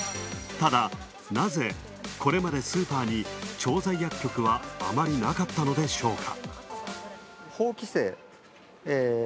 ただ、なぜ、これまでスーパーに調剤薬局はあまりなかったのでしょうか。